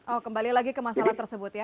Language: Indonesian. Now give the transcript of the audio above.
oh kembali lagi ke masalah tersebut ya